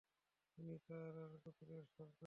ইনি তার গোত্রের সরদার।